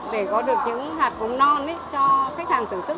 để có được những hạt mầm non cho khách hàng thưởng thức